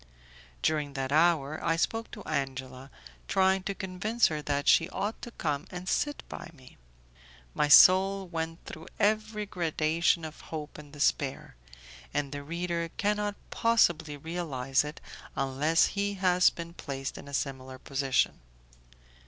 During that hour I spoke to Angela, trying to convince her that she ought to come and sit by me. My soul went through every gradation of hope and despair, and the reader cannot possibly realize it unless he has been placed in a similar position.